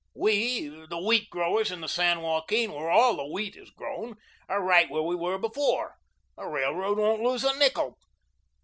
We, the wheat growers in the San Joaquin, where all the wheat is grown, are right where we were before. The Railroad won't lose a nickel.